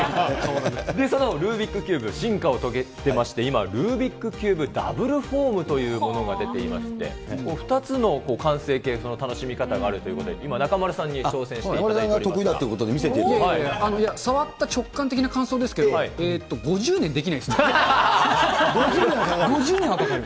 そのルービックキューブ、進化を遂げてまして、今、ルービックキューブダブルフォームというものが出ていまして、２つの完成形の楽しみ方があるということで、今、中丸さんに挑戦中丸君が得意だということで、触った直感的な感想ですけど、５０年はかかる。